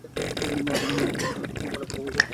বালক বাবার কথায় আগে আগে চলিল।